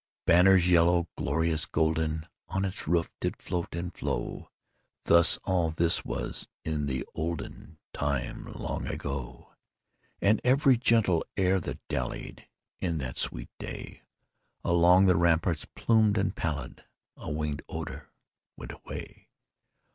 II. Banners yellow, glorious, golden, On its roof did float and flow; (This—all this—was in the olden Time long ago) And every gentle air that dallied, In that sweet day, Along the ramparts plumed and pallid, A winged odor went away.